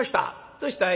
「どうしたい？」。